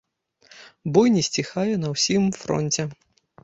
Бой не сціхае на ўсім фронце.